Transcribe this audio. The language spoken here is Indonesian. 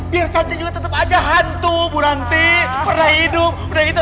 biar cantik juga tetep aja hantu buranti pernah hidup pernah itu